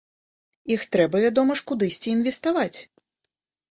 Іх трэба, вядома ж, кудысьці інвеставаць.